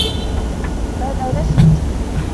ماذا نسيت؟